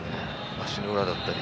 足の裏だったり。